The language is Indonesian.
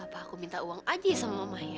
apa aku minta uang aja sama mamah ya